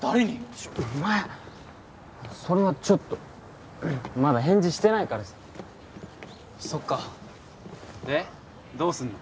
ちょっお前それはちょっとまだ返事してないからさそっかでどうすんの？